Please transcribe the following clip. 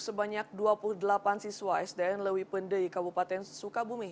sebanyak dua puluh delapan siswa sdn lewi pende kabupaten sukabumi